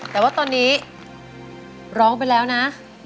แต่ว่าตอนนี้ร้องไปแล้วนะ